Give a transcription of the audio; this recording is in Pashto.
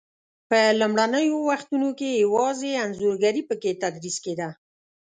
په لومړنیو وختو کې یوازې انځورګري په کې تدریس کېده.